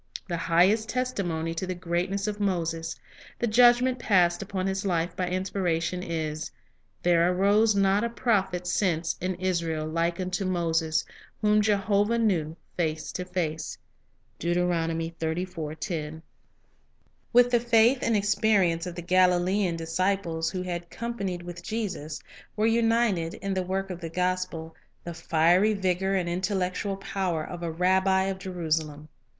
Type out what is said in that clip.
The highest testimony to the greatness of Moses, the judgment passed upon his life by Inspiration, is, "There arose not a prophet since in Israel like unto Moses, whom Jehovah knew face to face." 1 I 'mi l An Hebrew of the Hebrews" With the faith and experience of the Galilean dis ciples who had companied with Jesus were united, in the work of the gospel, the fiery vigor and intellectual power of a rabbi of Jerusalem.